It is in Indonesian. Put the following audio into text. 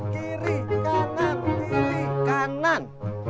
kiri kanan gemeran kanan